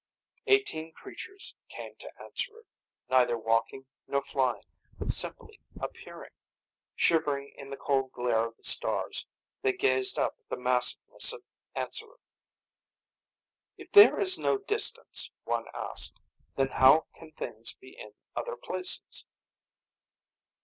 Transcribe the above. Eighteen creatures came to Answerer, neither walking nor flying, but simply appearing. Shivering in the cold glare of the stars, they gazed up at the massiveness of Answerer. "If there is no distance," one asked, "Then how can things be in other places?"